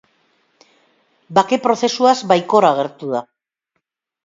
Bake prozesuaz baikor agertu da.